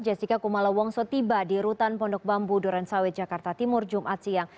jessica kumala wongso tiba di rutan pondok bambu durensawit jakarta timur jumat siang